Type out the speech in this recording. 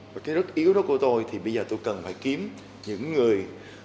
và cái rất yếu đó của tôi thì bây giờ tôi cần phải kiếm những người